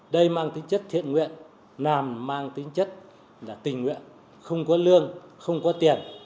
đây mang tính chất thiện nguyện làm mang tính chất là tình nguyện không có lương không có tiền